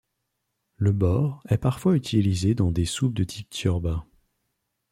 Le borș est parfois utilisé dans des soupes de type ciorbă.